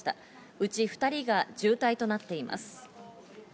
うち２人が重体となっています。